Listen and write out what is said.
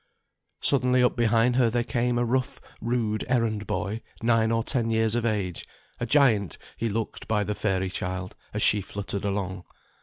Suddenly up behind her there came a rough, rude errand boy, nine or ten years of age; a giant he looked by the fairy child, as she fluttered along.